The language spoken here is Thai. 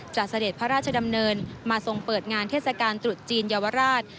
เสด็จพระราชดำเนินมาทรงเปิดงานเทศกาลตรุษจีนเยาวราช